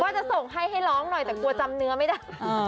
จะส่งให้ให้ร้องหน่อยแต่กลัวจำเนื้อไม่ได้